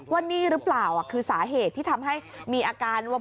ว่านี่หรือเปล่าคือสาเหตุที่ทำให้มีอาการว่า